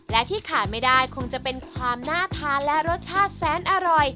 และที่ขาดไม่ได้คงจะเป็นความน่าทานและรสชาติแสนอร่อย